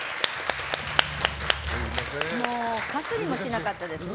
かすりもしなかったですね。